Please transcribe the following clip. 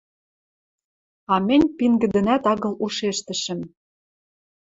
А мӹнь пингӹдӹнӓт агыл ушештӹшӹм: